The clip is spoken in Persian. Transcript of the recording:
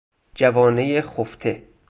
جوانه خفته